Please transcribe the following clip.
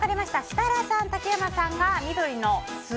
設楽さん、竹山さんが緑の酢。